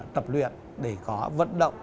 tập luyện để có vận động